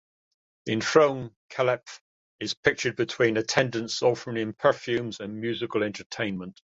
The enthroned caliph is pictured between attendants offering him perfumes and musical entertainment.